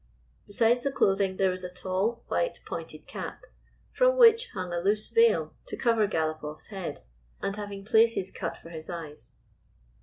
Besides the clothing there was a tall, white pointed cap, from which hung a loose veil to cover Galopoff's head, and having places cut for his eyes.